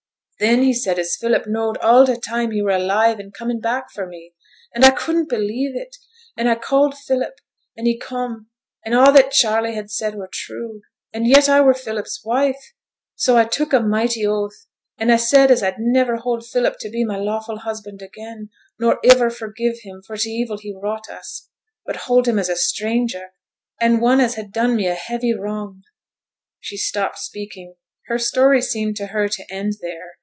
Then he said as Philip knowed all t' time he were alive and coming back for me; and I couldn't believe it, and I called Philip, and he come, and a' that Charley had said were true; and yet I were Philip's wife! So I took a mighty oath, and I said as I'd niver hold Philip to be my lawful husband again, nor iver forgive him for t' evil he'd wrought us, but hold him as a stranger and one as had done me a heavy wrong.' She stopped speaking; her story seemed to her to end there.